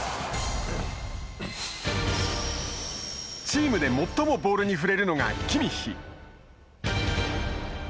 チームで最もボールに触れるのがキミッヒ。